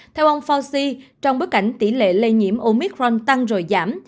theo ông fauci trong bức ảnh tỷ lệ lây nhiễm omicron tăng rồi giảm